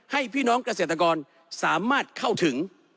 พี่น้องเกษตรกรสามารถเข้าถึง